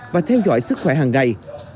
và theo dõi sức khỏe hàng ngày